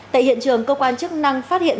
tại hiện trường cơ quan chức năng phát hiện